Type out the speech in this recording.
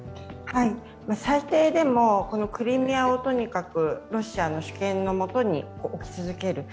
最低でもクリミアをとにかくロシアの主権のもとに置き続ける。